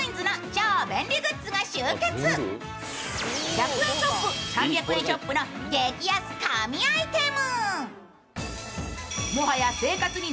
１００円ショップ、３００円ショップの激安神アイテム。